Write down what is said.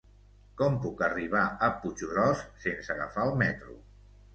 Com puc arribar a Puiggròs sense agafar el metro?